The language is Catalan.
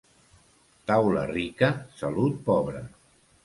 Taula rica, salut pobra.